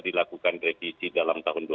dilakukan revisi dalam tahun dua ribu dua puluh satu